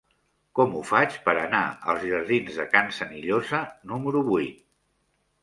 Com ho faig per anar als jardins de Can Senillosa número vuit?